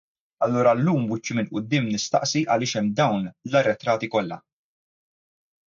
Allura llum b'wiċċi minn quddiem nistaqsi għaliex hemm dawn l-arretrati kollha.